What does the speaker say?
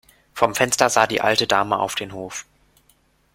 Vom Fenster sah die alte Dame auf den Hof.